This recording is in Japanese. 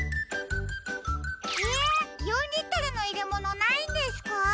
え４リットルのいれものないんですか？